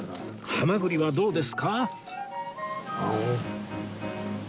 ハマグリはどうですか？